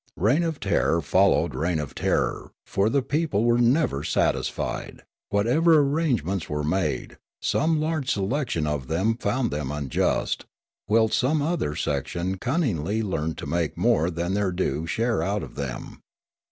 Reign of terror followed reign of terror, for the people were never satisfied ; whatever arrangements were made, some large section of them found them unjust, whilst some other section cunningly learned to make more than their due share out of them.